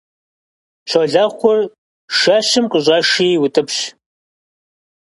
Щолэхъур шэщым къыщӀэши утӀыпщ.